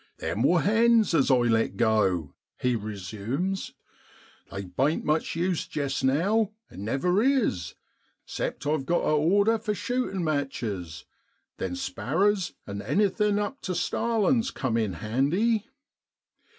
1 Them wor hens as I let go,' he resumes, ' they bain't much use jest now, and never is, except I've got a order for shootin' matches; then sparrers an' anything up tu starlin's cum in handy.